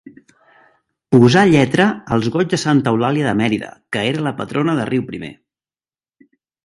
Posà lletra als goigs de Santa Eulàlia de Mèrida que era la patrona de Riuprimer.